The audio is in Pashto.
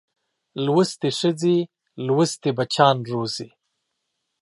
لوستې ښځې لوستي بچیان روزي